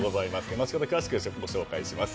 後ほど詳しくご紹介します。